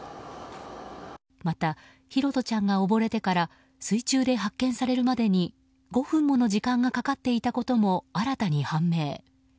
また、拓杜ちゃんが溺れてから水中で発見されるまでに５分もの時間がかかっていたことも新たに判明。